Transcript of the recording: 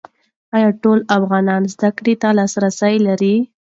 ایا ټول افغانان زده کړو ته لاسرسی لري؟